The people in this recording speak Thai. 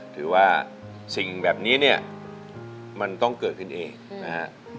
ถือว่าสิ่งแบบนี้เนี่ยมันต้องเกิดขึ้นเองนะฮะ